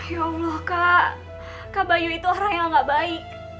ya allah kak kak bayu itu orang yang gak baik